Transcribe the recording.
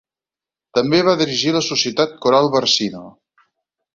També va dirigir la Societat Coral Barcino.